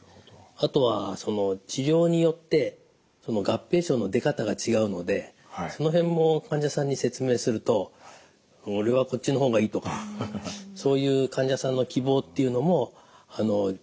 あとはその治療によって合併症の出方が違うのでその辺も患者さんに説明すると「俺はこっちの方がいい」とかそういう患者さんの希望っていうのも重要な要素になりますね。